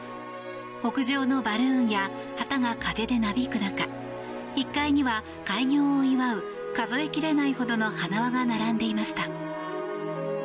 屋上のバルーンや旗が風でなびく中、１階には開業を祝う数えきれないほどの花輪が並んでいました。